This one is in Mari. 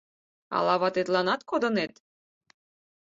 Ала ватетланат кодынет?